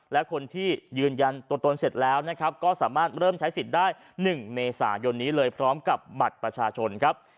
และคนที่ยืนยันตัวตนเสร็จแล้วนะครับก็สามารถเริ่มใช้สิทธิ์ได้๑เมษายนนี้เลยพร้อมกับบัตรประชาชนครับ